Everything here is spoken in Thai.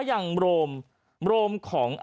อย่างโรมโรมของ